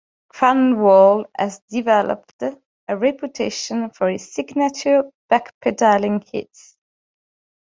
Kronwall has developed a reputation for his signature back-pedaling hits.